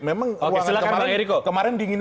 memang ruangan kemarin dingin